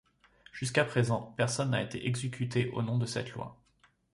Jusqu'à présent, personne n'a été exécuté au nom de cette loi.